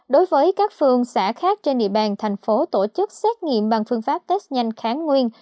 đối với các phường xã khác trên địa bàn tp tổ chức xét nghiệm bằng phương pháp test nhanh kháng nguyên